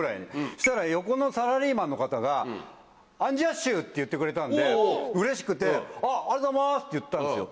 そしたら横のサラリーマンの方が「アンジャッシュ」って言ってくれたんでうれしくて「ありがとうございます」って言ったんですよ。